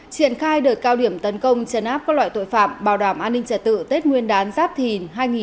triển khai đợt cao điểm tấn công chấn áp các loại tội phạm bảo đảm an ninh trật tự tết nguyên đán giáp thìn hai nghìn hai mươi bốn